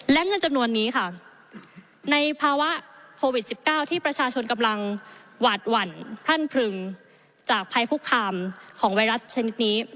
และเงินจำนวนนี้ค่ะในภาวะโควิด๑๙ที่ประชาชนกำลังหวาดหวั่นพรั่นพรึงจากภัยคุกคามของไวรัสชนิดนี้